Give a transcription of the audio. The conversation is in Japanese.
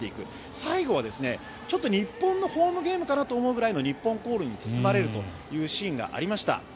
最後は日本のホームゲームかなと思うくらいの日本コールに包まれるというシーンがありました。